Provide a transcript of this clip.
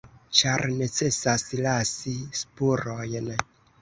Ĉar necesas lasi spurojn”.